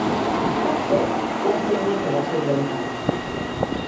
Còp sec, l'artenhec era sirventa.